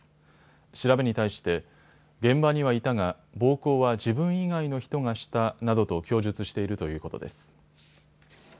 調べに対して現場にはいたが暴行は自分以外の人がしたなどと供述しているということです。